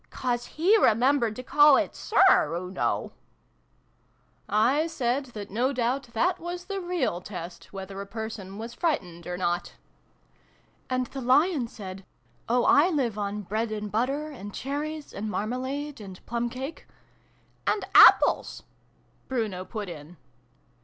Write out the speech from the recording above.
" 'cause he remembered to call it ' Sir,' oo know." I said that no doubt that was the real test whether a person was frightened or not. Q 2 228 SYLV1E AND BRUNO CONCLUDED. " And the Lion said ' Oh, I live on bread and butter, and cherries, and marmalade, and plum cake " and apples !" Bruno put in.